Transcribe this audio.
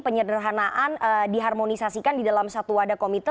penyederhanaan diharmonisasikan di dalam satu wadah komite